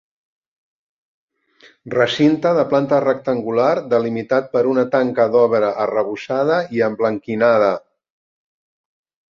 Recinte de planta rectangular delimitat per una tanca d'obra arrebossada i emblanquinada.